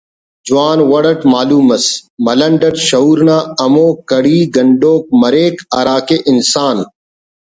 جوان وڑ اٹ معلوم مس ملنڈ اٹ شعور نا ہمو کڑی گنڈوک مریک ہراکہ انسان